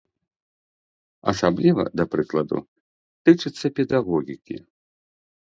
Асабліва, да прыкладу, тычыцца педагогікі.